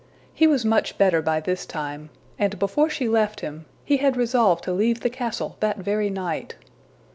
He was much better by this time, and before she left him, he had resolved to leave the castle that very night.